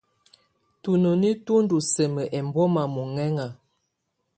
Tunoní tú ndɔ́ sǝ́mǝ́ ɛmbɔma mɔɲǝŋa.